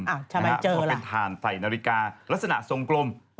เพราะเป็นถ่านใส่นาฬิกาลักษณะทรงกลม